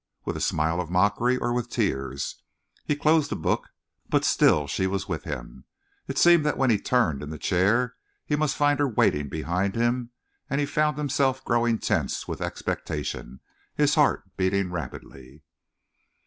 With a smile of mockery or with tears? He closed the book; but still she was with him. It seemed that when he turned in the chair he must find her waiting behind him and he found himself growing tense with expectation, his heart beating rapidly.